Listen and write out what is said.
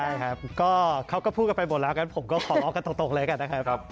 ใช่ครับก็เขาก็พูดกันไปหมดแล้วกันผมก็ขอเอากันตรงเลยกันนะครับ